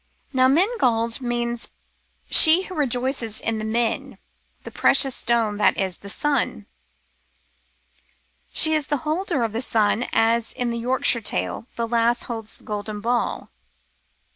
Now Menglod means she who rejoices in the Metiy the Precious Stone,^ that is, the sun. She is the holder of the sun, as in the Yorkshire story the lass holds the golden ball.